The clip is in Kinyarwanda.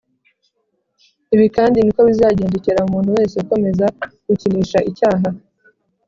ibi kandi niko bizagendekera umuntu wese ukomeza gukinisha icyaha